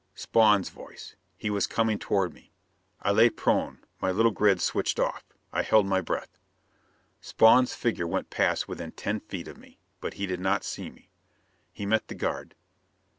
Spawn's voice! He was coming toward me! I lay prone, my little grids switched off. I held my breath. Spawn's figure went past within ten feet of me. But he did not see me. He met the guard.